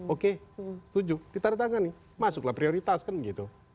oke setuju ditaruh tangan nih masuk lah prioritas kan gitu